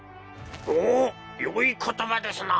おおよい言葉ですな！